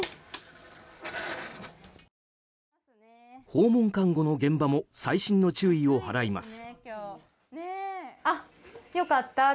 訪問看護の現場も細心の注意を払います。